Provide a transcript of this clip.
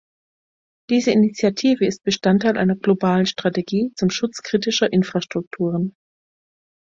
Diese Initiative ist Bestandteil einer globalen Strategie zum Schutz kritischer Infrastrukturen.